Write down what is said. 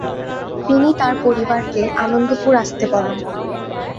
তিনি তার পরিবারকে আনন্দপুর আসতে বলেন।